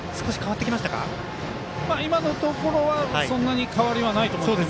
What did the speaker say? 今のところはそんなに変わりはないと思います。